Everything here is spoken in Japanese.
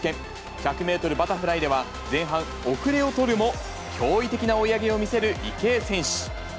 １００メートルバタフライでは、前半、遅れをとるも、驚異的な追い上げを見せる池江選手。